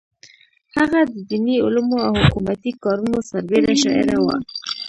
هغه د دیني علومو او حکومتي کارونو سربېره شاعره وه.